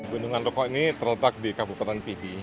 bendungan rokok ini terletak di kabupaten pidi